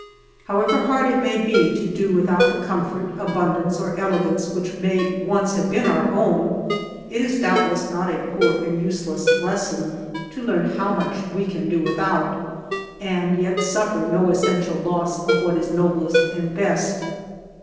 However hard it may be to do without the comfort, abundance, or elegance, which may once have been our own, it is doubtless not a poor and useless lesson to learn how much we can do without, and yet suffer no essential loss of what is noblest and best.